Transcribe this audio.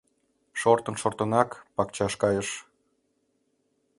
Шортын-шортынак, пакчаш кайыш.